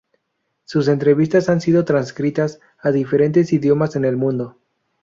Sus entrevistas han sido transcritas a diferentes idiomas en el mundo.